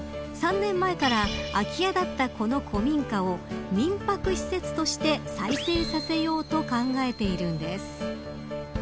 ３年前から空き家だったこの古民家を民泊施設として再生させようと考えているんです。